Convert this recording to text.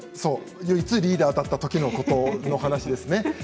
唯一リーダーだった時のころの話しですね。